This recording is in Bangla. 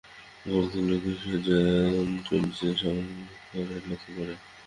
ঘরগুলোর গৃহসজ্জা চলছে শশাঙ্ককে লক্ষ্য করে।